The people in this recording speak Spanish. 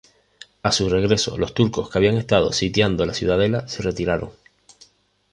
A su regreso los turcos que habían estado sitiando la ciudadela se retiraron.